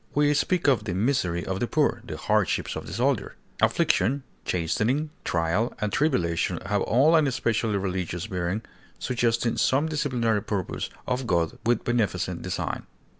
We speak of the misery of the poor, the hardships of the soldier. Affliction, chastening, trial, and tribulation have all an especially religious bearing, suggesting some disciplinary purpose of God with beneficent design.